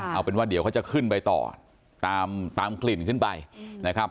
เอาเป็นว่าเดี๋ยวเขาจะขึ้นไปต่อตามกลิ่นขึ้นไปนะครับ